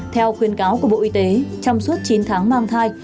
theo khuyến cáo của bộ y tế trong suốt chín tháng mang thai